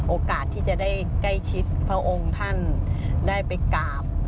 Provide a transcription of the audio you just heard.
โอกาสที่จะได้ใกล้ชิดพระองค์ท่านได้ไปกราบ